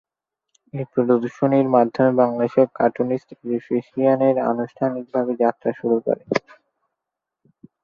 এই প্রদর্শনীর মাধ্যমে বাংলাদেশ কার্টুনিস্ট এসোসিয়েশন আনুষ্ঠানিকভাবে যাত্রা শুরু করে।